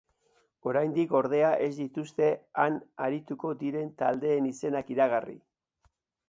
Oraindik, ordea, ez dituzte han arituko diren taldeen izenak iragarri.